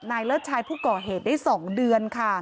เลิศชายผู้ก่อเหตุได้๒เดือนค่ะ